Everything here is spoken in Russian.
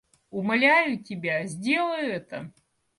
Умоляю тебя, сделай это!